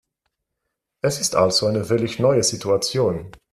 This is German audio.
Es ist also eine völlig neue Situation.